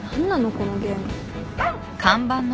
このゲーム。